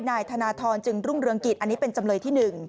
นายธนทรจึงรุ่งเรืองกิจอันนี้เป็นจำเลยที่๑